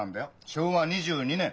昭和２２年！